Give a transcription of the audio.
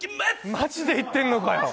マジで言ってんのかよ